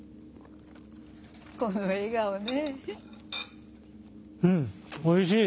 この笑顔ね。